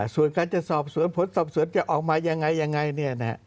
ส่วนการจะสอบสวนผลสอบสวนจะออกมายังไงยังไงเนี่ยนะฮะ